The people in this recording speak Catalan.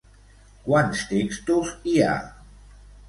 Quants textos hi ha?